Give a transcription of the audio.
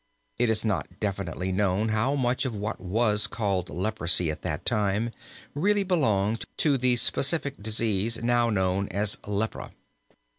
It is not definitely known how much of what was called leprosy at that time really belonged to the specific disease now known as lepra.